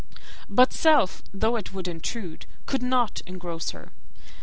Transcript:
But self, though it would intrude, could not engross her.